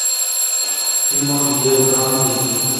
تی مٹھ گیل گانٹھ دیت؟